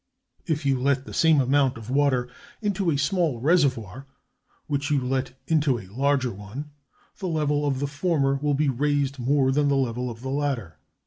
If you let the same amount of water into a small reservoir which you let into a large one, the level of the former will be raised more than the level of the latter.